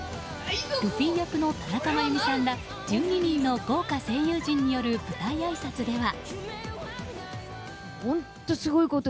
ルフィ役の田中真弓さんら１２人の豪華声優陣による舞台あいさつでは。